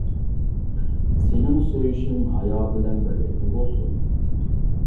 سېنىڭ سۆيۈشۈڭ ھايا بىلەن بىرلىكتە بولسۇن.